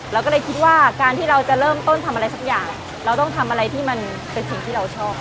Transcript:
เราก็เลยคิดว่าการที่เราจะเริ่มต้นทำอะไรสักอย่างเราต้องทำอะไรที่มันเป็นสิ่งที่เราชอบ